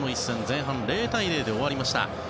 前半、０対０で終わりました。